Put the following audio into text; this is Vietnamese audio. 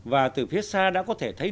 và từ phía xa đã có thể thấy